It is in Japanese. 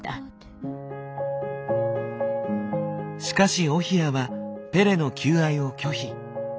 しかしオヒアはペレの求愛を拒否。